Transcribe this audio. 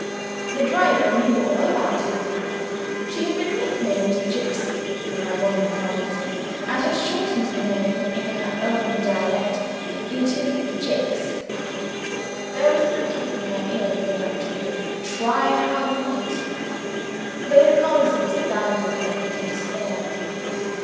The driver knew all about her. She had been nicknamed "Gipsy" from her wandering habits, and had shortened the name in her own dialect, into "Jicks." There was no keeping her in at the rectory, try how you might: they had long since abandoned the effort in despair.